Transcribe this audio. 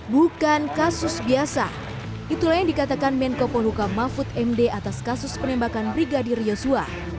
bukan kasus biasa itulah yang dikatakan menko polhuka mahfud md atas kasus penembakan brigadir yosua